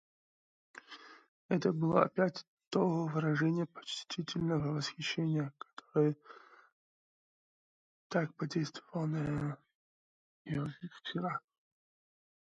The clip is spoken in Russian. Это было опять то выражение почтительного восхищения, которое так подействовало на нее вчера.